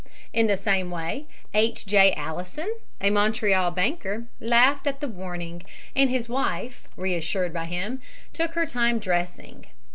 In the same way H. J. Allison, a Montreal banker, laughed at the warning, and his wife, reassured by him, took her time dressing.